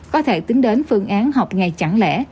có thể tính đến phương án học ngày chẳng lẽ